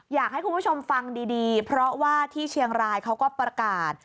อยากให้คุณผู้ชมฟังดีเพราะว่าที่เชียงรายเขาก็ประกาศ